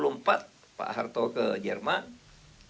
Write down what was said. ngumpulkan anak anak indonesia di situ